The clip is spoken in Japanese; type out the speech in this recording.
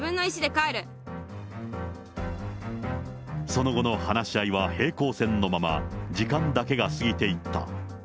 その後の話し合いは平行線のまま、時間だけが過ぎていった。